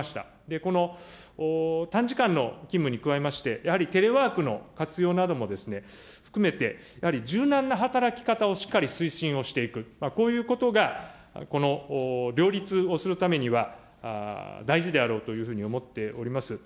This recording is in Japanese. この短時間の勤務に加えまして、やはりテレワークの活用なども含めて、やはり柔軟な働き方をしっかり推進をしていく、こういうことがこの両立をするためには大事であろうというふうに思っております。